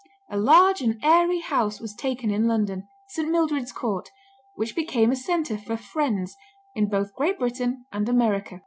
A large and airy house was taken in London, St. Mildred's Court, which became a centre for "Friends" in both Great Britain and America.